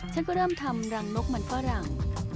ฉันก็เริ่มทำรังนกมันฝรั่ง